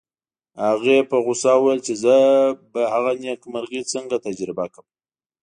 هغې په غوسه وویل چې زه به هغه نېکمرغي څنګه تجربه کړم